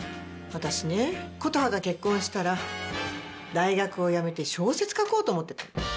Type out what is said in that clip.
私ねことはが結婚したら大学を辞めて小説書こうと思ってたの。